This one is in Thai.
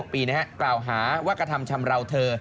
๒๖ปีนะครับกล่าวหาวักธรรมชำราวเธอ